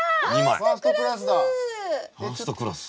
ファーストクラス。